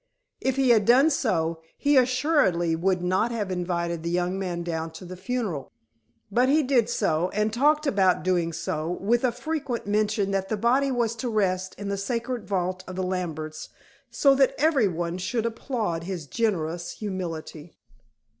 If he had done so, he assuredly would not have invited the young man down to the funeral. But he did so, and talked about doing so, with a frequent mention that the body was to rest in the sacred vault of the Lamberts so that every one should applaud his generous humility.